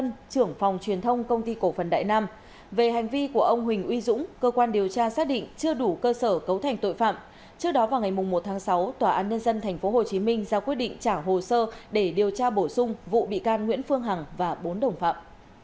nguyễn văn quang trưởng phòng truyền thông công ty cổ phần đại nam về hành vi của ông huỳnh uy dũng cơ quan điều tra xác định chưa đủ cơ sở cấu thành tội phạm trước đó vào ngày một tháng sáu tòa án nhân dân tp hcm ra quyết định trả hồ sơ để điều tra bổ sung vụ bị can nguyễn phương hằng và bốn đồng phạm